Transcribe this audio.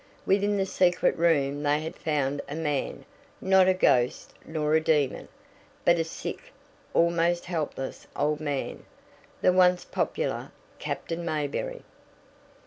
Within the secret room they had found a man, not a ghost nor a demon, but a sick, almost helpless old man the once popular Captain Mayberry.